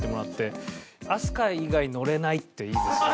「飛鳥以外乗れない」っていいです。